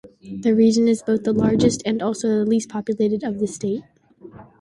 The region is both the largest and also the least populated of the state.